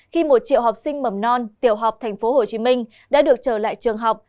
khi một triệu học sinh mầm non tiểu học tp hcm đã được trở lại trường học